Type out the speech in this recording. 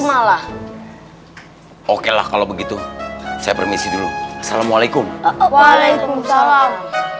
malah okelah kalau begitu saya permisi dulu assalamualaikum waalaikumsalam